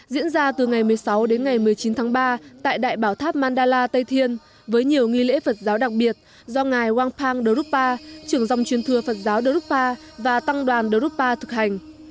diễn ra từ ngày một mươi sáu đến ngày một mươi chín tháng ba tại đại bảo tháp mandala tây thiên với nhiều nghi lễ phật giáo đặc biệt do ngài wang pang đô rúc ba trưởng dòng chuyên thừa phật giáo đô rúc ba và tăng đoàn đô rúc ba thực hành